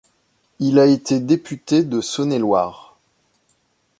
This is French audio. Il a été député de Saône-et-Loire.